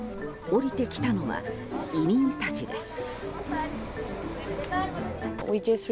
降りてきたのは移民たちです。